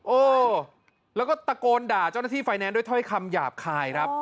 โอ้แล้วก็ตะโกนด่าเจ้าหน้าที่ไฟแนนซ์ด้วยถ้อยคำหยาบคายครับ